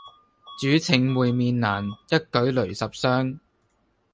主稱會面難，一舉累十觴。